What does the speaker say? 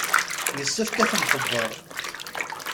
Yessefk ad ten-nxebbeṛ.